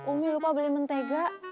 umi lupa beli mentega